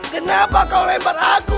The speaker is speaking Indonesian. kenapa kau lempar aku